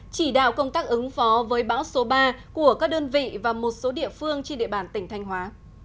chỉ đạo công tác ứng phó với bão số ba của các đơn vị và một số địa phương trên địa bàn tỉnh thanh hóa